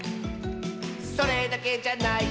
「それだけじゃないよ」